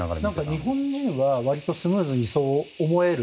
日本人は割とスムーズにそう思える。